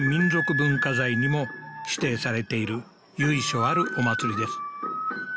文化財にも指定されている由緒あるお祭りです